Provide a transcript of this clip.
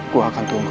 gue akan tunggu